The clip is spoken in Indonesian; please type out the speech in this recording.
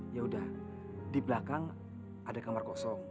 yaudah di belakang ada kamar kosong